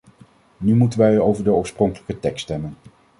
Nu moeten wij over de oorspronkelijke tekst stemmen.